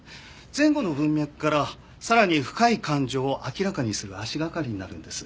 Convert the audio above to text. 前後の文脈からさらに深い感情を明らかにする足掛かりになるんです。